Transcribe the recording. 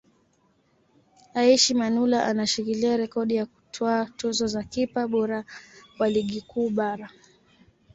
Aishi Manula anashikilia rekodi ya kutwaa tuzo za kipa bora wa Ligi Kuu Bara